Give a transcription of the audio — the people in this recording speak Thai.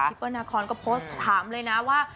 เปิ้ลนาคอนก็โพสต์ถามเลยนะว่า